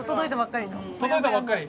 届いたばっかり。